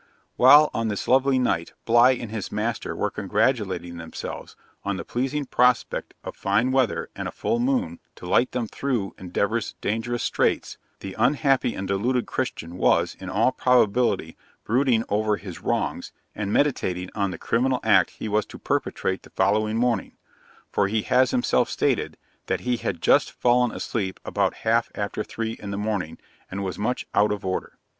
While, on this lovely night, Bligh and his master were congratulating themselves on the pleasing prospect of fine weather and a full moon, to light them through Endeavour's dangerous straits, the unhappy and deluded Christian was, in all probability, brooding over his wrongs, and meditating on the criminal act he was to perpetrate the following morning; for he has himself stated, that he had just fallen asleep about half after three in the morning, and was much out of order.